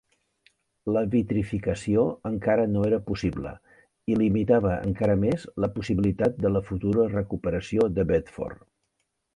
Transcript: La vitrificació encara no era possible i limitava encara més la possibilitat de la futura recuperació de Bedford.